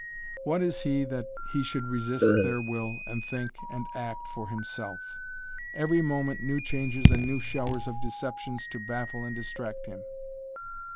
What is he that he should resist their will and think and act for himself? Every moment new changes and new showers of deceptions to baffle and distract him.